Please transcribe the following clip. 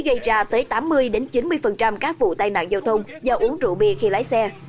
gây ra tới tám mươi chín mươi các vụ tai nạn giao thông do uống rượu bia khi lái xe